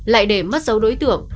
lại để mất dấu đối chất